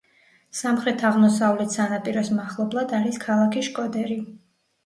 სამხრეთ-აღმოსავლეთ სანაპიროს მახლობლად არის ქალაქი შკოდერი.